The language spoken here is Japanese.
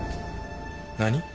何？